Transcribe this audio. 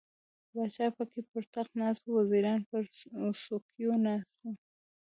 پاچا پکې پر تخت ناست و، وزیران پر څوکیو ناست وو.